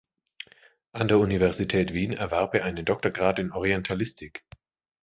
An der Universität Wien erwarb er einen Doktorgrad in Orientalistik.